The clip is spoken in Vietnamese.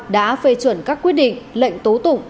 đã phê chuẩn các quyết định lệnh tố tụng